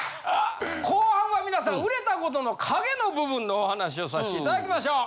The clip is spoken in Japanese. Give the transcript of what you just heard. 後半はみなさん売れたことの影の部分のお話をさせていただきましょう！